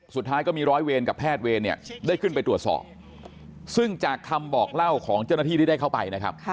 สุดท้ายก็มีร้อยเวรกับแพทย์เวรเนี่ยได้ขึ้นไปตรวจสอบซึ่งจากคำบอกเล่าของเจ้าหน้าที่ที่ได้เข้าไปนะครับ